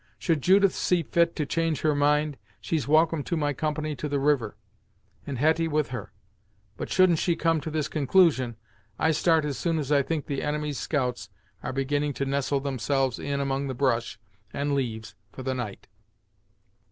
Should Judith see fit to change her mind, she's welcome to my company to the river, and Hetty with her; but shouldn't she come to this conclusion, I start as soon as I think the enemy's scouts are beginning to nestle themselves in among the brush and leaves for the night."